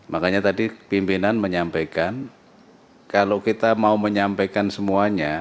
makanya tadi pimpinan menyampaikan kalau kita mau menyampaikan semuanya